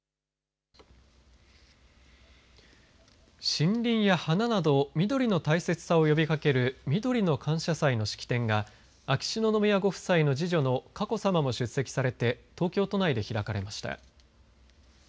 森林や花など緑の大切さを呼びかけるみどりの感謝祭の式典が秋篠宮ご夫妻の次女の佳子さまも出席されて東京都内で開かれました。